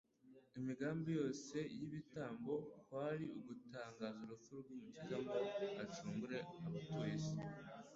Imigambi yose y'ibitambo kwari ugutangaza urupfu rw'Umukiza ngo acungure abatuye isi.